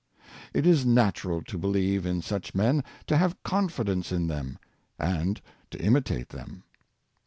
It is natural to believe in such men, to have confidence in them, and to imitate them.